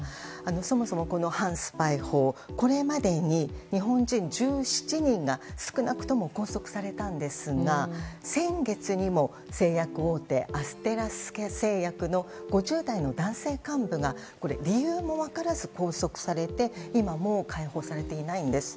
そもそも、反スパイ法これまでに日本人１７人が少なくとも拘束されたんですが先月にも製薬大手アステラス製薬の５０代の男性幹部が理由も分からず拘束されて今も解放されていないんです。